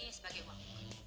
ini sebagai uang